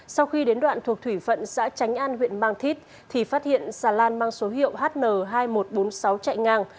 sau khi đến đoạn thuộc thủy phận xã tránh an huyện mang thít thì phát hiện xà lan mang số hiệu hn hai nghìn một trăm bốn mươi sáu chạy ngang